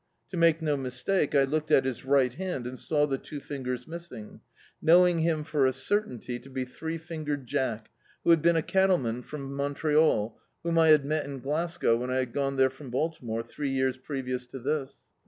To make no mistake, I looked at his right hand, and saw the two fingers missing, knowing him for a certainty D,i.,.db, Google The Autobiography of a Super Tramp to be Three Fingered Jack, who had been a cattle man from Montreal, whcxn I had met in Glasgow when I bad gone there from Baltimore, three years previous to this.